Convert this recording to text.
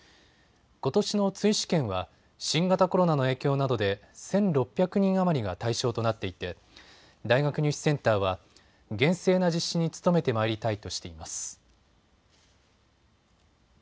ことしの追試験は新型コロナの影響などで１６００人余りが対象となっていて大学入試センターは厳正な実施に努めて参りたいとしています。